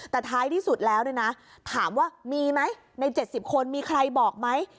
แต่ท้ายที่สุดแล้วเนี่ยนะถามว่ามีไหมใน๗๐คนมีใครบอกไหม